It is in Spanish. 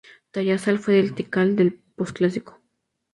Tayasal fue el Tikal del posclásico.